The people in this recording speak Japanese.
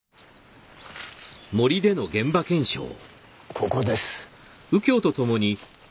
ここです。